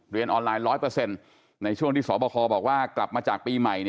เรียนออนไลน์ร้อยเปอร์เซ็นต์ในช่วงที่สอบคอบอกว่ากลับมาจากปีใหม่